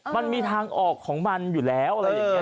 มันมีทางออกของมันอยู่แล้วอะไรอย่างนี้